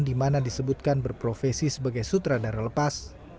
di mana disebutkan berprofesi sebagai sutradara lepas